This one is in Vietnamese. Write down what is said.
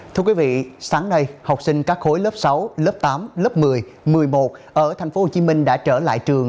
thưa quý vị sáng nay học sinh các khối lớp sáu lớp tám lớp một mươi một mươi một ở tp hcm đã trở lại trường